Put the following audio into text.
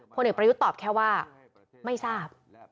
ผลเอกประยุทธ์ตอบแค่ว่าไม่ทราบ